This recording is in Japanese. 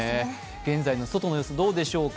現在の外の様子どうでしょうか。